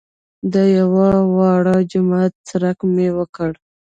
د یوه واړه جومات څرک مې وکړ.